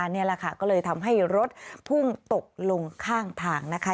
นี่แหละค่ะก็เลยทำให้รถพุ่งตกลงข้างทางนะคะ